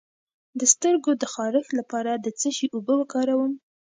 د سترګو د خارښ لپاره د څه شي اوبه وکاروم؟